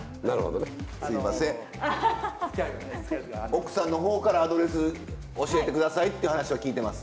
奥さんの方から「アドレス教えて下さい」って話は聞いてます。